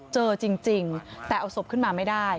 เจอจริงแต่เอาศพขึ้นมาไม่ได้